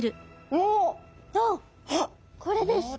おっこれですね。